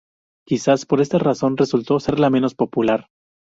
Quizás por esta razón resultó ser la menos popular.